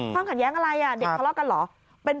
ความขัดแย้งอะไรเด็กค่ะลอกกันหรือ